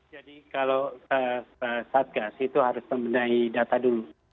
jadi kalau satgas itu harus membenahi data dulu